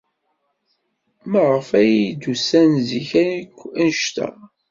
Maɣef ayb d-usant zik akk anect-a?